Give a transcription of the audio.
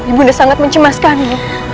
ibunya sangat mencemaskanmu